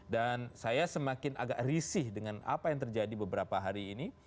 dan saya semakin agak risih dengan apa yang terjadi beberapa hari ini